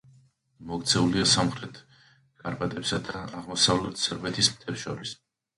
მოქცეულია სამხრეთ კარპატებსა და აღმოსავლეთ სერბეთის მთებს შორის.